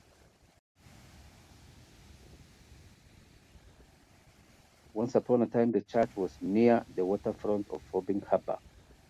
Once upon a time the church was near the waterfront of Fobbing Harbour.